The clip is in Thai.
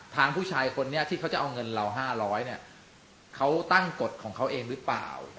ทางผู้ชายคนนี้ที่เขาจะเอาเงินเรา๕๐๐เนี่ยเขาตั้งกฎของเขาเองหรือเปล่า